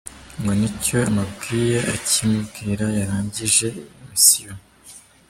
Ngo nicyo amubwiye, akimubwira yarangije mission.